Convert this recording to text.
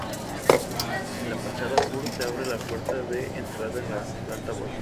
En la fachada sur se abre la puerta de entrada en la planta baja.